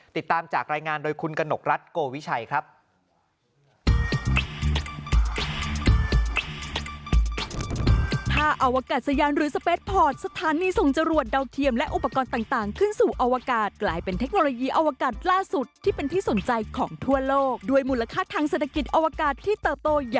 ติดตามจากรายงานโดยคุณกนกรัฐโกวิชัยครับ